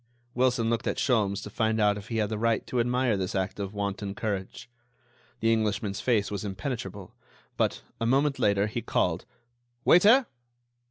Wilson looked at Sholmes to find out if he had the right to admire this act of wanton courage. The Englishman's face was impenetrable; but, a moment later, he called: "Waiter!"